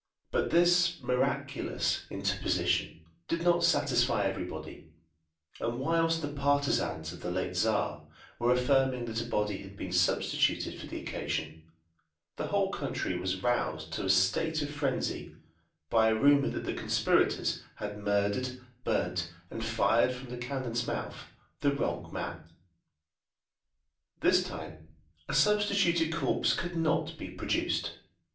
But this miraculous interposition did not satisfy everybody, and whilst the partizans of the late Czar were affirming that a body had been substituted for the occasion, the whole country was roused to a state of frenzy by a rumour that the conspirators had murdered, burnt, and fired from the cannon's mouth the wrong man! This time a substituted corpse could not be produced.